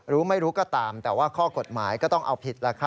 รู้ไม่รู้ก็ตามแต่ว่าข้อกฎหมายก็ต้องเอาผิด